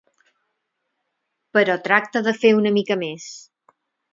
Però tracta de fer una mica més.